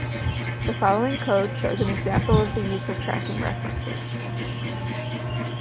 The following code shows an example of the use of tracking references.